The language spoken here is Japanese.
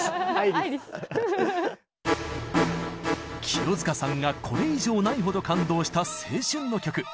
清塚さんがこれ以上ないほど感動した青春の曲！